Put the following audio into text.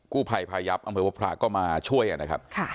กู้ผ่ายผ่ายับมหัวพระก็มาช่วยกัน